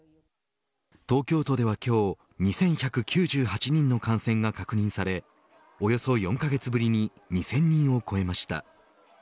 東京都では今日２１９８人の感染が確認されおよそ４カ月ぶりに２０００人を超えました。